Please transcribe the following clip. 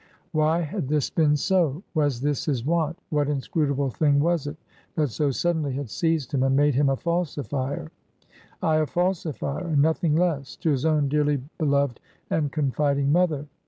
Why had this been so? Was this his wont? What inscrutable thing was it, that so suddenly had seized him, and made him a falsifyer ay, a falsifyer and nothing less to his own dearly beloved, and confiding mother?